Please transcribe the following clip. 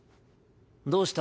どうした？